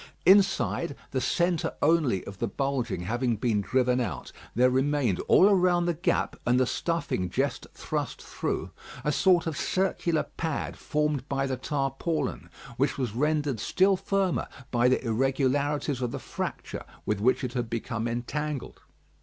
Inside, the centre only of the bulging having been driven out, there remained all around the gap and the stuffing just thrust through a sort of circular pad formed by the tarpaulin, which was rendered still firmer by the irregularities of the fracture with which it had become entangled.